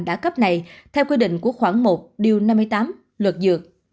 đã cấp này theo quy định của khoảng một điều năm mươi tám luật dược